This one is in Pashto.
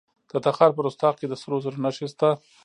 د تخار په رستاق کې د سرو زرو نښې شته.